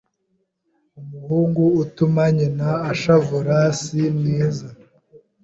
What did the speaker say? umuhungu utuma nyina ashavura si mwiza